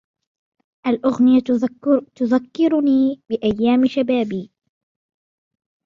الاغنية تذكرني بأيام شبابي.